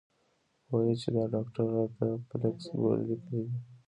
وې ئې چې ډاکټر راته فلکس ګولۍ ليکلي دي -